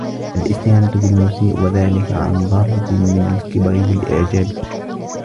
الِاسْتِهَانَةُ بِالْمُسِيءِ وَذَلِكَ عَنْ ضَرْبٍ مِنْ الْكِبْرِ وَالْإِعْجَابِ